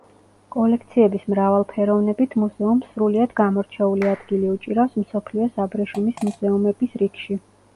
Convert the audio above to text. კოლექციების მრავალფეროვნებით მუზეუმს სრულიად გამორჩეული ადგილი უჭირავს მსოფლიოს აბრეშუმის მუზეუმების რიგში.